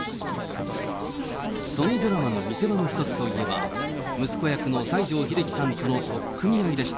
そのドラマの見せ場の一つといえば、息子役の西城秀樹さんとの取っ組み合いでした。